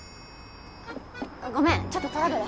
ごめんちょっとトラブル。